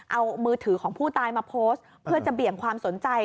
เอามือถือของผู้ตายมาโพสต์เพื่อจะเบี่ยงความสนใจ